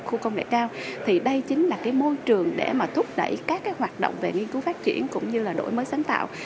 khu công nghệ cao thì đây chính là cái môi trường để mà thúc đẩy các cái hoạt động về nghiên cứu phát triển cũng như là đổi mới sáng tạo